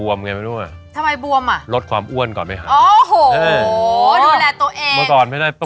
วันต่อมาเราก็หายไปจากเขาเนี่ย